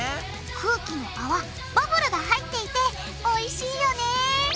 空気のあわバブルが入っていておいしいよね！